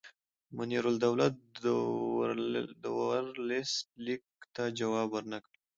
منیرالدوله د ورلسټ لیک ته جواب ورنه کړ.